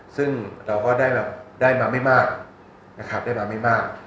ซึ่งเราก็ได้มาไม่มากนะครับได้มาไม่มาก